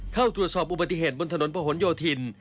เข้าตรวจสอบอุบัติเหตุบนถนนพระหลโยธิน